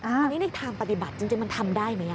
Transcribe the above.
อันนี้ในทางปฏิบัติจริงมันทำได้ไหม